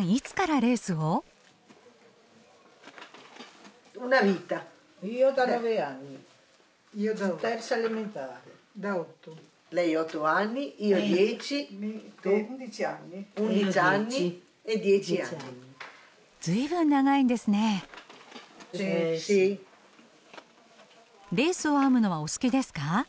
レースを編むのはお好きですか？